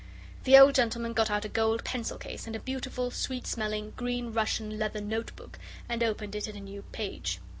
The old gentleman got out a gold pencil case and a beautiful, sweet smelling, green Russian leather note book and opened it at a new page.